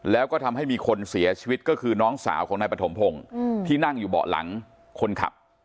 แล้วก็ทำให้มีคนเสียชีวิตก็คือน้องสาวของนายปฐมพงศ์ที่นั่งอยู่เบาะหลังคนขับ